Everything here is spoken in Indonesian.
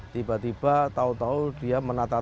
tiba tiba tau tau dia menangis